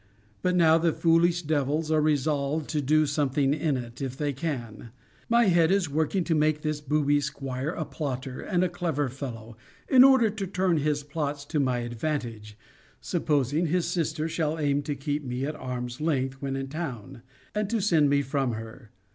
But now the foolish devils are resolved to do something in it, if they can. My head is working to make this booby 'squire a plotter, and a clever fellow, in order to turn his plots to my advantage, supposing his sister shall aim to keep me at arm's length when in town, and to send me from her.